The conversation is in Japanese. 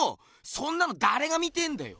そんなのだれが見てえんだよ？